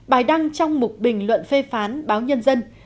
bài đăng trong một bình luận phê phán báo nhân dân